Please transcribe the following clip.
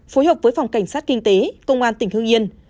phối hợp với phòng cảnh sát kinh tế công an tỉnh hương yên